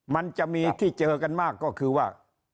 มันจะมีที่เจอกันมากก็คือว่า